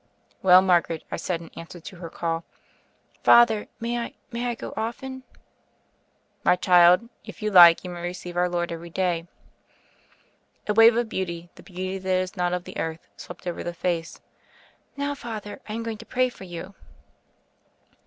"Well, Margaret," I said in answer to her call. "Father, may I — ^may I go often?" "My child, if you like, you may receive Our Lord every day." A wave of beauty, the beauty that is not of the earth, swept over the face. "Now, Father, I am going to pray for you."